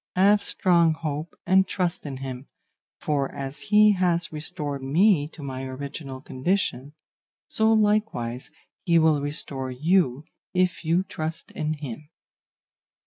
Have strong hope and trust in him, for as he has restored me to my original condition, so likewise he will restore you if you trust in him.